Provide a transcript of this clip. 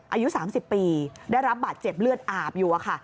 อายุ๓๐ปีได้รับบาดเจ็บเลือดอาบอยู่ค่ะ